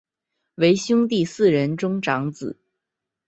为兄弟四人中长子。